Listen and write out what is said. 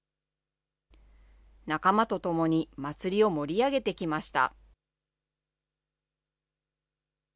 仲間と共に祭りを盛り上げてきました。